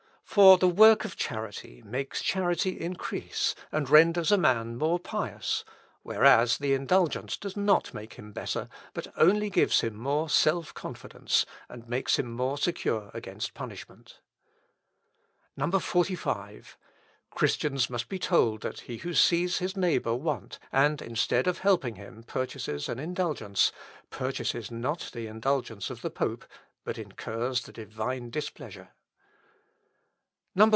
"For the work of charity makes charity increase, and renders a man more pious; whereas the indulgence does not make him better, but only gives him more self confidence, and makes him more secure against punishment. 45. "Christians must be told that he who sees his neighbour want, and, instead of helping him, purchases an indulgence, purchases not the indulgence of the pope, but incurs the Divine displeasure. 46.